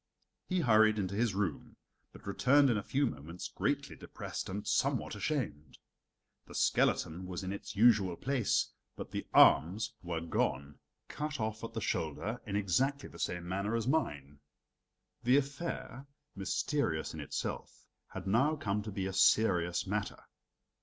He hurried into his room, but returned in a few moments greatly depressed and somewhat ashamed. The skeleton was in its usual place, but the arms were gone, cut off at the shoulder in exactly the same manner as mine. The affair, mysterious in itself, had now come to be a serious matter.